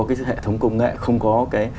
cái hệ thống công nghệ không có cái